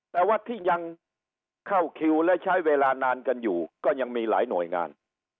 แต่ว่าที่ยังเข้าคิวและใช้เวลานานกันอยู่ก็ยังมีหลายหน่วยงาน